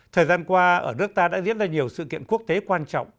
thời gian qua ở nước ta đã diễn ra nhiều sự kiện quốc tế quan trọng